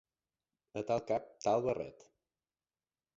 A tal cap, tal barret.